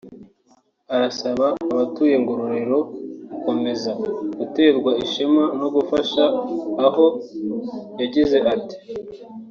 Arasaba abatuye Ngororero gukomeza guterwa ishema no gufasha aho yagize ati